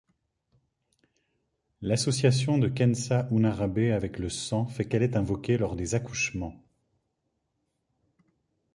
L'association de Kensah Unarabe avec le sang fait qu'elle est invoquée lors des accouchements.